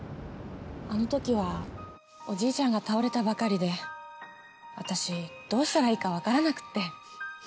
あの時はおじいちゃんが倒れたばかりで私どうしたらいいか分からなくて。